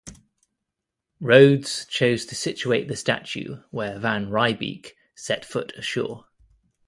Rhodes chose to situate the statue where Van Riebeeck set foot ashore.